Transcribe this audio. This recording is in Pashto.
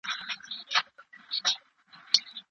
د غم پر وخت هم خلګ شراب څښي.